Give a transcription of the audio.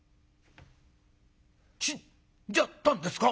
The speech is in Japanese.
「死んじゃったんですか？」。